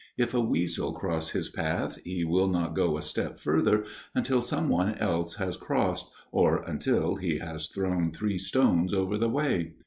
If a weasel cross his path, he will not go a step further until some one else has crossed, or until he has thrown three stones over the way.